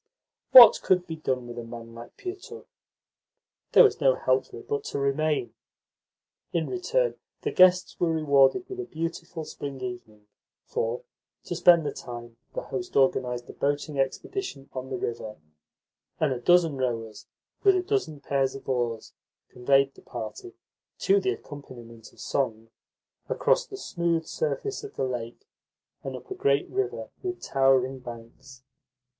What could be done with a man like Pietukh? There was no help for it but to remain. In return, the guests were rewarded with a beautiful spring evening, for, to spend the time, the host organised a boating expedition on the river, and a dozen rowers, with a dozen pairs of oars, conveyed the party (to the accompaniment of song) across the smooth surface of the lake and up a great river with towering banks.